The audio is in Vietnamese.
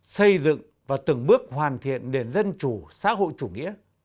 xây dựng và từng bước hoàn thiện nền dân chủ xã hội chủ nghĩa